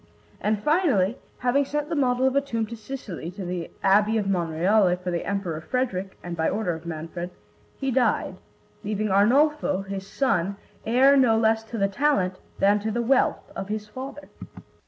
And finally, having sent the model of a tomb to Sicily, to the Abbey of Monreale, for the Emperor Frederick and by order of Manfred, he died, leaving Arnolfo, his son, heir no less to the talent than to the wealth of his father.